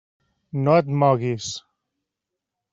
No et moguis.